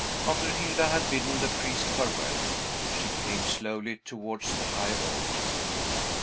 After Hilda had bidden the priest farewell, she came slowly towards the high altar.